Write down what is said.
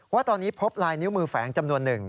ว่าตอนนี้พบลายนิ้วมือแฝงจำนวนหนึ่ง